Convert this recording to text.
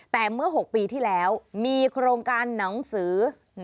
แต่เมื่อ๖ปีที่แล้วมีโครงการหนังสือ